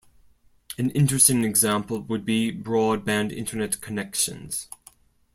An interesting example would be broadband internet connections.